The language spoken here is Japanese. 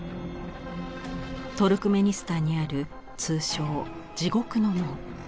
トルクメニスタンにある通称「地獄の門」。